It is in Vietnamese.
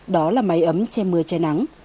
đó là máy ấm che mưa che nắng